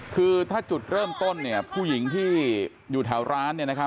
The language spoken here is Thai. คือถ้าจุดเริ่มต้นเนี่ยผู้หญิงที่อยู่แถวร้าน